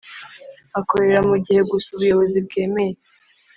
akorera mu gihe gusa Ubuyobozi bwemeye